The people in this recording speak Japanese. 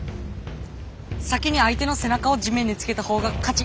先に相手の背中を地面につけた方が勝ち。